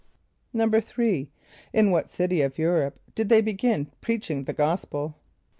= =3.= In what city of Europe did they begin preaching the gospel?